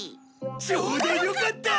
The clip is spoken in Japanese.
ちょうどよかった！